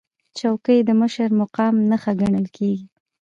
چوکۍ د مشر مقام نښه ګڼل کېږي.